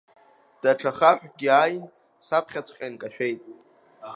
Даҽа хаҳәкгьы ааин, саԥхьаҵәҟьа инкашәеит.